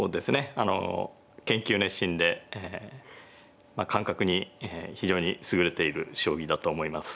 あの研究熱心で感覚に非常に優れている将棋だと思います。